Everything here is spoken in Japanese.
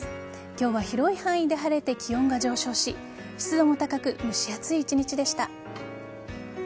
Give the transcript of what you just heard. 今日は広い範囲で晴れて気温が上昇し、湿度も高く蒸し暑い一日でした。